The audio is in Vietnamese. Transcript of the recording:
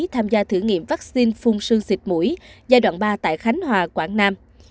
tham gia thử nghiệm vaccine phun sư xịt mũi giai đoạn ba tại khánh hòa quảng nam